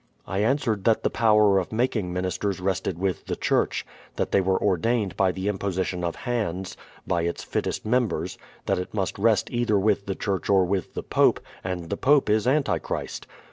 I answered that the power of making ministers rested with the church; that they were ordained by the imposition of hands, by its fittest mem bers ; that it must rest either with the church or with the pope, and the pope is antichrist.